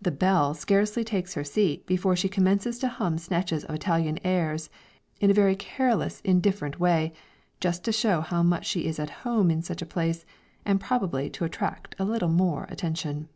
The belle scarcely takes her seat before she commences to hum snatches of Italian airs, in a very careless indifferent way, just to show how much she is at home in such a place, and probably to attract a little more attention.